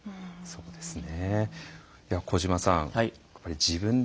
そうですね。